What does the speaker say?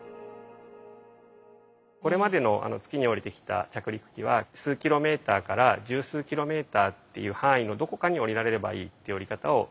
これまでの月に降りてきた着陸機は数キロメーター１０数キロメーターっていう範囲のどこかに降りられればいいっていう降り方をしてきていました。